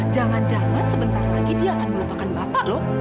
jangan jangan sebentar lagi dia akan melupakan bapak loh